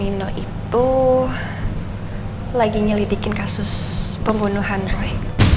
nino itu lagi nyelidikin kasus pembunuhan roy